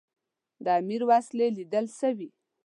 د امیر وسلې لیدل سوي.